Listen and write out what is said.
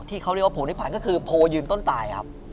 ที่เขาเรียกว่าโพธิพันธ์ก็คือโพยืนต้นตายครับ